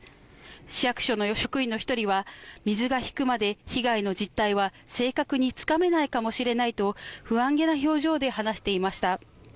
市役所の職員の１人は、水が引くまで被害の実態は正確につかめないかもしれないと不安げな表情で話していました。